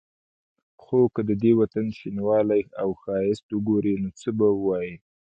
خو که د دې وطن شینوالی او ښایست وګوري نو څه به وايي.